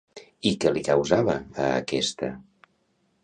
I què li causava a aquesta?